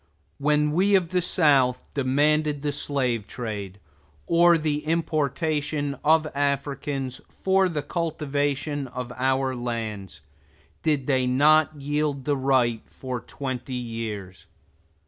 When we of the South demanded the slave trade, or the importation of Africans for the cultivation of our lands, did they not yield the right for twenty years?